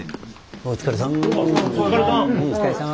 お疲れさま。